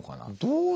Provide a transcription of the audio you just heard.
どう？